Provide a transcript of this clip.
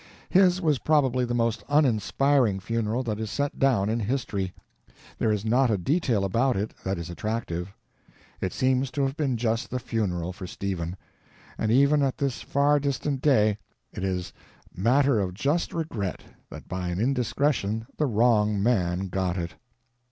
His was probably the most uninspiring funeral that is set down in history. There is not a detail about it that is attractive. It seems to have been just the funeral for Stephen, and even at this far distant day it is matter of just regret that by an indiscretion the wrong man got it.